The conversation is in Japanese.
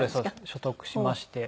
取得しまして。